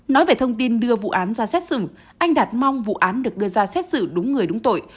nói về thông tin đưa vụ án ra xét xử anh đạt mong vụ án được đưa ra xét xử đúng người đúng tội